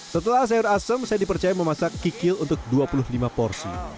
setelah sayur asem saya dipercaya memasak kikil untuk dua puluh lima porsi